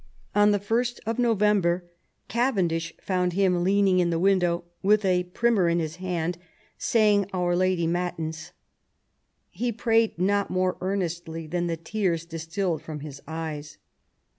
On 1st November Cavendish found him leaning in the win dow "with a primer in his hand, saying our Lady mattins. He prayed not more earnestly than the tears distilled from his eyes."